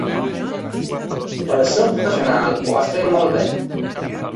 Per ser un professional, ho fas molt bé.